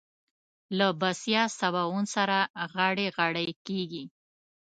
له بسيا سباوون سره غاړه غړۍ کېږي.